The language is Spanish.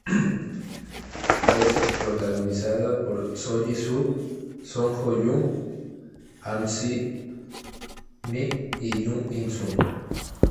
Es protagonizada por So Ji-sub, Son Ho Jun, Im Se-mi y Jung In-sun.